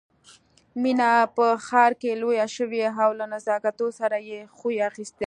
مينه په ښار کې لويه شوې او له نزاکتونو سره يې خوی اخيستی